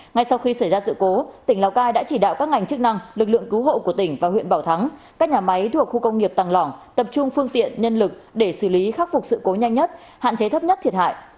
ngay sau khi xảy ra sự cố tỉnh lào cai đã chỉ đạo các ngành chức năng lực lượng cứu hộ của tỉnh và huyện bảo thắng các nhà máy thuộc khu công nghiệp tàng lỏng tập trung phương tiện nhân lực để xử lý khắc phục sự cố nhanh nhất hạn chế thấp nhất thiệt hại